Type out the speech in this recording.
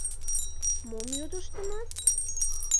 «Мом йодыштыныт?»